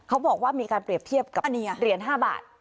เขาบอกว่ามีการเปรียบเทียบกับอันนี้อ่ะเหรียญห้าบาท